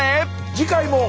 次回も。